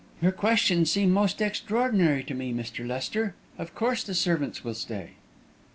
"Your questions seem most extraordinary to me, Mr. Lester. Of course the servants will stay."